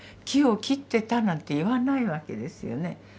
木を切ってたなんて言わないわけですよね。